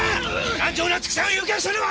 南条夏樹さんを誘拐したのは！